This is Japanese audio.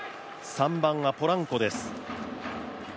３番はポランコです。